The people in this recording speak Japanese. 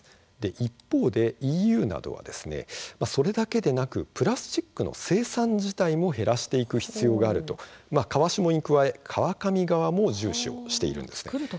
一方で、ＥＵなどはそれだけでなくプラスチックの生産自体も減らしていく必要があると川下に加えて川上側も重視している。